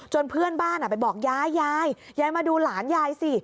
จนเพื่อนบ้านไปบอกยายยายมาดูหลานยายสิ